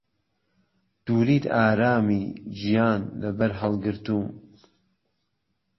دووریت ئارامی ، گیان، له بهر ههڵگرتووم